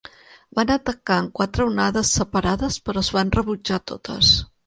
Van atacar en quatre onades separades però es van rebutjar totes.